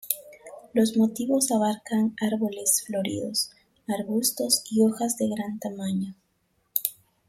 Los motivos abarcan árboles floridos, arbustos y hojas de gran tamaño.